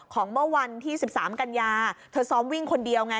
เมื่อวันที่๑๓กันยาเธอซ้อมวิ่งคนเดียวไง